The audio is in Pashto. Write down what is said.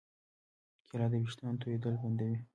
کېله د ویښتانو تویېدل بندوي.